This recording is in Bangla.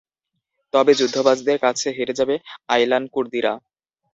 তবে যুদ্ধবাজদের কাছে হেরে যাবে আইলান কুর্দিরা।